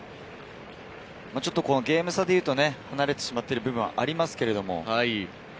ゲーム差でいうと離れてしまっている部分はありますけど。